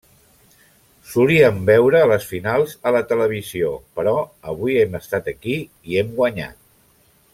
Solíem veure les finals a la televisió, però avui hem estat aquí i hem guanyat.